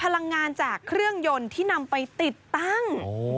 พลังงานจากเครื่องยนต์ที่นำไปติดตั้ง